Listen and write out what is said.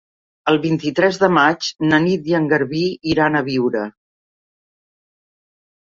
El vint-i-tres de maig na Nit i en Garbí iran a Biure.